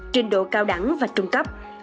trình độ cao đẳng và trung cấp